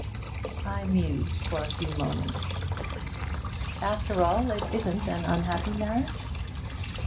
I mused for a few moments. 'After all, it isn't an unhappy marriage?'